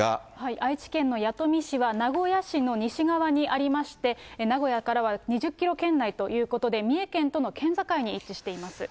愛知県の弥富市は名古屋市の西側にありまして、名古屋からは２０キロ圏内ということで、三重県との県境に位置しています。